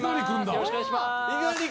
よろしくお願いします！